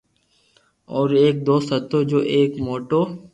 اورو ايڪ دوست ھتو جو ايڪ موٽو